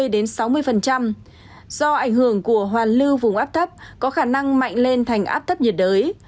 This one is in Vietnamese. do ảnh hưởng của hoàn lưu vùng áp thấp có khả năng mạnh lên thành áp thấp nhiệt đới